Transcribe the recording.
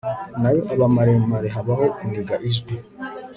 nayo aba maremare, habaho kuniga ijwi